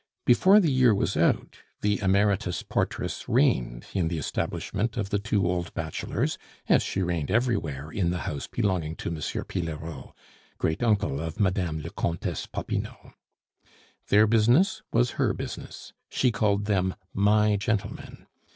Before the year was out, the emeritus portress reigned in the establishment of the two old bachelors, as she reigned everywhere in the house belonging to M. Pillerault, great uncle of Mme. le Comtesse Popinot. Their business was her business; she called them "my gentlemen."